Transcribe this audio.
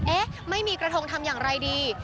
เอ๊ะไม่มีกระทงทำอย่างไรดี